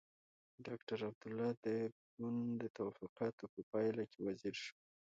ډاکټر عبدالله د بن د توافقاتو په پايله کې وزیر شو.